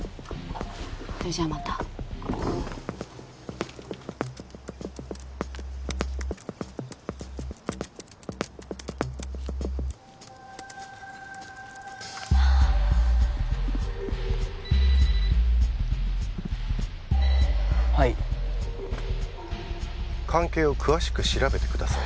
それじゃまたはい関係を詳しく調べてください